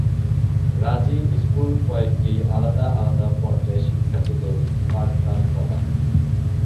রাজি স্কুল কয়েকটি আলাদা আলাদা পর্যায়ে শিক্ষার্থীদের পাঠদান করায়।